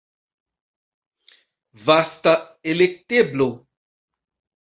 Vasta elekteblo.